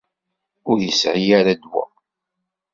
Ur isεi ara ddwa.